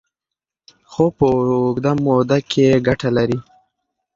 خو په اوږده موده کې ګټه لري.